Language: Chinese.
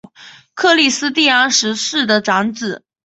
克里斯蒂安十世的长子。